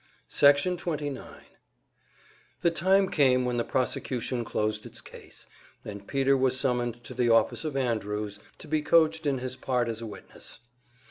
Section 29 The time came when the prosecution closed its case, and Peter was summoned to the office of Andrews, to be coached in his part as a witness.